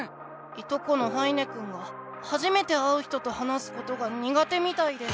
いとこの羽稲くんがはじめて会う人と話すことが苦手みたいで。